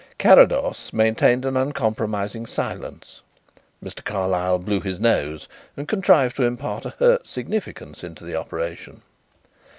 Carrados maintained an uncompromising silence. Mr. Carlyle blew his nose and contrived to impart a hurt significance into the operation.